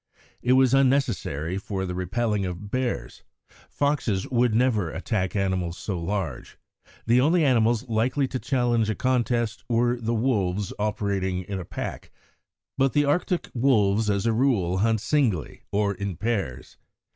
It was unnecessary for the repelling of bears; foxes would never attack animals so large; the only animals likely to challenge a contest were the wolves operating in a pack. But the Arctic wolves, as a rule, hunt singly, or in pairs.